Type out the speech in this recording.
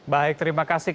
baik terima kasih